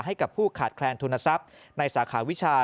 ให้กับผู้ขาดแคลนทุนทรัพย์ในสาขาวิชา